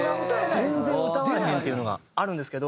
全然歌われへんっていうのがあるんですけど。